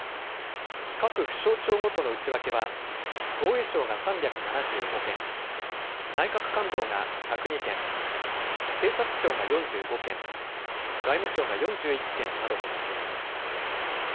各府省庁ごとの内訳は防衛省が３７５件、内閣官房が１０２件、警察庁が４５件、外務省が４１件などとなっています。